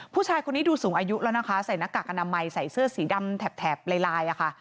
ผู้ชายคนนี้ดูสูงอายุแล้วนะคะใส่หน้ากากอนามัยใส่เสื้อสีดำแถบลายลายอะค่ะ